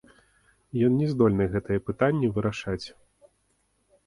Ён не здольны гэтыя пытанні вырашаць.